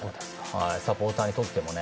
サポーターにとってもね。